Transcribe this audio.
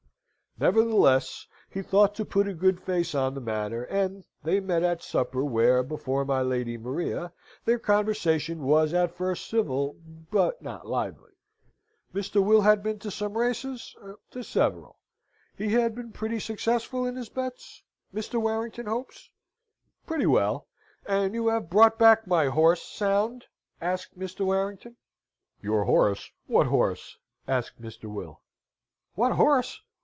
Nevertheless, he thought to put a good face on the matter, and they met at supper, where, before my Lady Maria, their conversation was at first civil, but not lively. Mr. Will had been to some races? To several. He had been pretty successful in his bets? Mr. Warrington hopes. Pretty well. "And you have brought back my horse sound?" asked Mr. Warrington. "Your horse! what horse?" asked Mr. Will. "What horse?